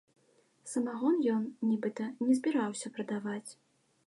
Самагон ён, нібыта, не збіраўся прадаваць.